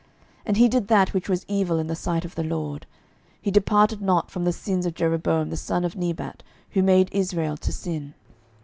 12:015:024 And he did that which was evil in the sight of the LORD: he departed not from the sins of Jeroboam the son of Nebat, who made Israel to sin.